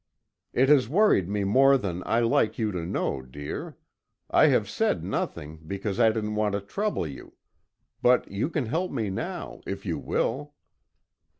It has worried me more than I like you to know, dear. I have said nothing, because I didn't want to trouble you. But you can help me now, if you will."